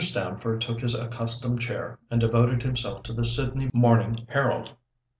Stamford took his accustomed chair, and devoted himself to the Sydney Morning Herald.